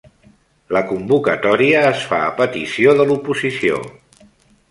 La convocatòria es fa a petició de l'oposició